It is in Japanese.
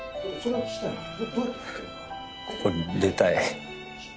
ここ出たい。